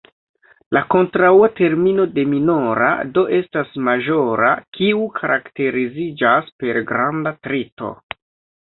La kontraŭa termino de "minora" do estas "maĵora", kiu karakteriziĝas per granda trito.